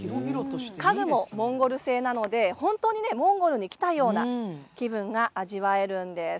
家具もモンゴル製なので本当にモンゴルに来たような気分が味わえるんです。